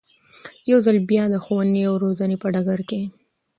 يو ځل بيا د ښوونې او روزنې په ډګر کې